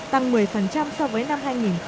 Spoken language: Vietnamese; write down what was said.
tăng một mươi so với năm hai nghìn một mươi bảy